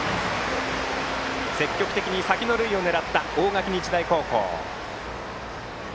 積極的に先の塁を狙った大垣日大高校。